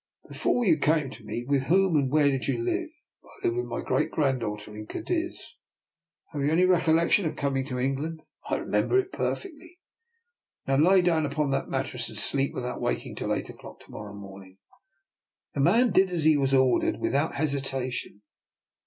" Before you came to me, with whom and where did you live? "" I lived with my great granddaughter in Cadiz." " Have you any recollection of coming to England? "*' I remember it perfectly." " Now lie down upon that mattress, and sleep without waking until eight o'clock to morrow morning." The man did as he was ordered without hesitation.